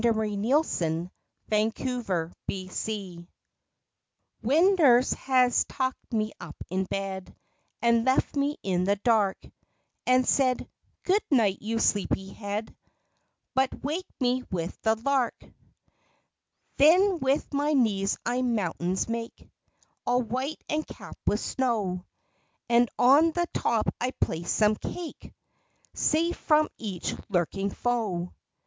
32 COUNTERPANE COUNTRY. W hen Nurse has tucked me up in bed, And left me in the dark, And said, "Good night you sleepy head, But wake up with the lark," Then with my knees I mountains make, All white and capped with snow,] And on the top I place some cake, Safe from each lurking foe.